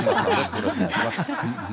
よろしくお願いします。